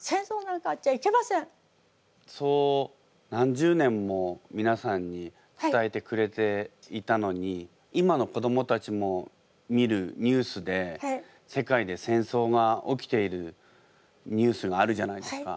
そう何十年もみなさんに伝えてくれていたのにいまの子どもたちも見るニュースで世界で戦争が起きているニュースがあるじゃないですか。